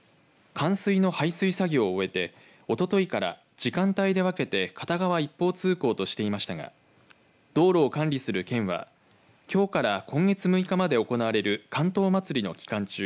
冠水の排水作業を終えておとといから時間帯で分けて片側一方通行としていましたが道路を管理する県はきょうから今月６日まで行われる竿燈まつりの期間中